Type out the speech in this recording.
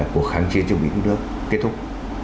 cuộc kháng chiến chống nghị cứu nước kết thúc